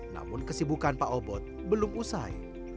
namun kesibukan pak obot belum usai